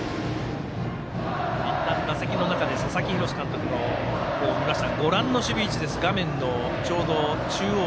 いったん打席の中で佐々木洋監督を見ました。